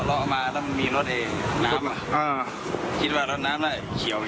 คิดว่ารถน้ำแหละเขียวแค่นี้แล้วก็พอดีกว่าไปเขียว